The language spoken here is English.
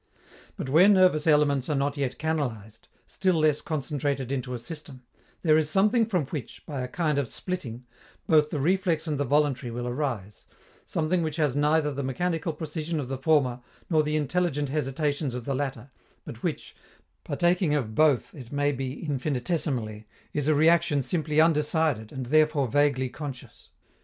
But where nervous elements are not yet canalized, still less concentrated into a system, there is something from which, by a kind of splitting, both the reflex and the voluntary will arise, something which has neither the mechanical precision of the former nor the intelligent hesitations of the latter, but which, partaking of both it may be infinitesimally, is a reaction simply undecided, and therefore vaguely conscious.